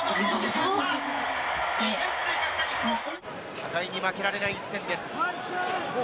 互いに負けられない一戦です。